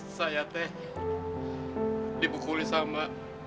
saya teh dibukulin sama